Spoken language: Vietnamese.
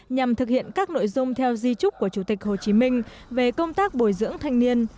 nhằm thực hiện các nội dung theo di trúc của chủ tịch hồ chí minh về công tác bồi dưỡng thanh niên